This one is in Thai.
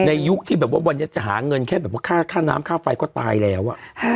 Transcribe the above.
ยุคที่แบบว่าวันนี้จะหาเงินแค่แบบว่าค่าน้ำค่าไฟก็ตายแล้ว